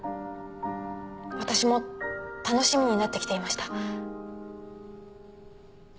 私も楽しみになってきていました。